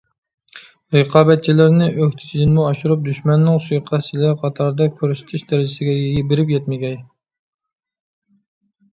رىقابەتچىلىرىنى ئۆكتىچىدىنمۇ ئاشۇرۇپ «دۈشمەننىڭ سۇيىقەستچىلىرى» قاتارىدا كۆرسىتىش دەرىجىسىگە بېرىپ يەتمىگەي.